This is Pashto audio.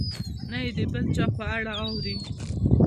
نه یې د بل چا په اړه اوري.